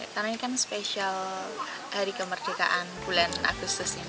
karena ini kan spesial hari kemerdekaan bulan agustus ini